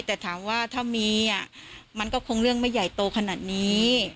แต่ถามว่าถ้ามีมันก็คงเรื่องไม่ใหญ่โตขนาดนี้